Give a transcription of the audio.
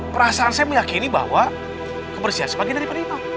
perasaan saya meyakini bahwa kebersihan sebagian dari penerima